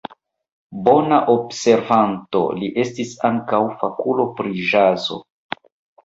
Bona observanto, li estis ankaŭ fakulo pri ĵazo.